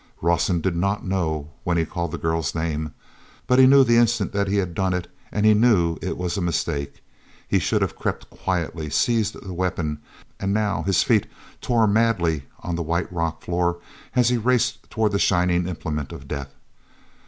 awson did not know when he called the girl's name. But he knew the instant that he had done it and he knew it was a mistake. He should have crept quietly, seized the weapon—and now his feet tore madly on the white rock floor as he raced toward the shining implement of death.